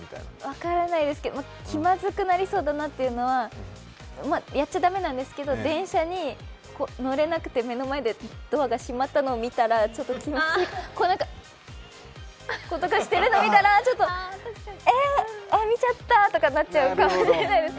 分からないですけど気まずくなりそうだなというのはやっちゃ駄目なんですけど、電車に乗れなくて目の前でドアが閉まったのを見たらちょっとあっ、見ちゃったってなっちゃうかもしれないです。